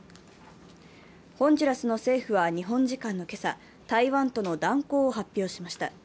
ホンジュラスの政府は日本時間の今朝、台湾との断交を発表しました。